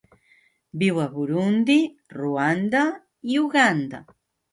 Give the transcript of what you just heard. Viu a Burundi, Ruanda i Uganda.